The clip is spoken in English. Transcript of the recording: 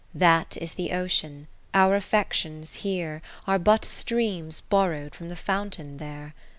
That is the ocean, our affections here Are but streams borrow'd from the fountain there.